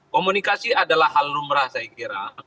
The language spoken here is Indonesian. komunikasi adalah hal lumrah saya kira